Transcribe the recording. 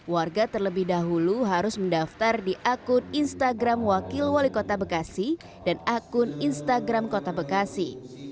warga terlebih dahulu harus mendaftar di akun instagram wakil wali kota bekasi dan akun instagram kota bekasi